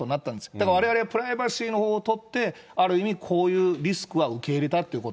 でもわれわれはプライバシーのほうを取って、ある意味こういうリスクは受け入れたっていうこと。